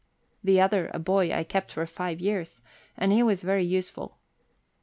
The other, a boy, I kept for five years, and he was very use ful.